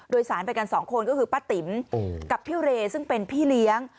โดยสารไปกันสองคนก็คือป้าติ๋มกับพี่เรซึ่งเป็นพี่เลี้ยง